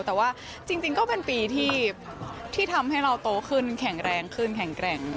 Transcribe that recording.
แต่ว่าจริงก็เป็นปีที่ทำให้เราโตขึ้นแข็งแรงขึ้นแข็งแกร่ง